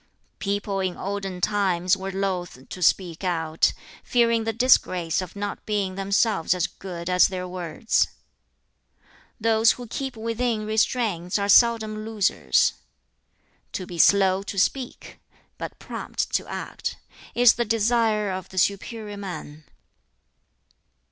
"People in olden times were loth to speak out, fearing the disgrace of not being themselves as good as their words. "Those who keep within restraints are seldom losers. "To be slow to speak, but prompt to act, is the desire of the 'superior man.'